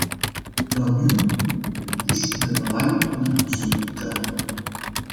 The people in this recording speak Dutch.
Welnu, dat is in het belang van de consument zelf.